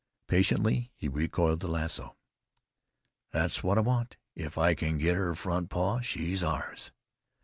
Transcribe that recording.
Patiently he recoiled the lasso. "That's what I want. If I can get her front paw she's ours.